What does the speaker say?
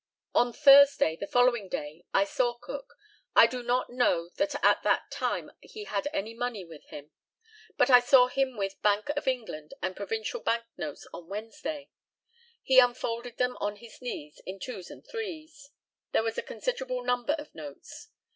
On Thursday (the following day) I saw Cook. I do not know that at that time he had any money with him, but I saw him with Bank of England and provincial bank notes on Wednesday. He unfolded them on his knees in twos and threes. There was a considerable number of notes.